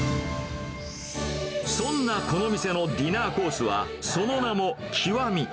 そんなこの店のディナーコースは、その名も、極。